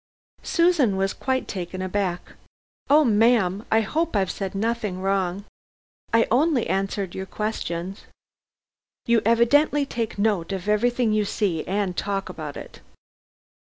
Susan was quite taken aback. "Oh, ma'am, I hope I've said nothing wrong. I only answered your questions." "You evidently take note of everything you see, and talk about it."